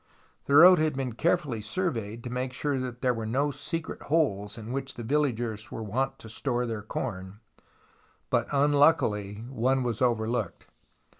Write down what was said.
The road had been carefully THE ROMANCE OF EXCAVATION 143 surveyed to make sure that there were no secret holes in which the villagers were wont to store their corn, but unluckily one was overlooked.